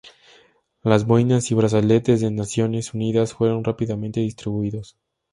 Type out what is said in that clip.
Las boinas y brazaletes de Naciones Unidas fueron rápidamente distribuidos.